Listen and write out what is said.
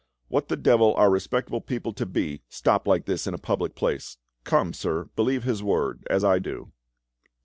What the devil are respectable people to be stopped like this in a public place? Come, sir, believe his word, as I do."